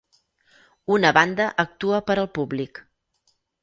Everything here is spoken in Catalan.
Una banda actua per al públic.